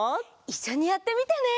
いっしょにやってみてね！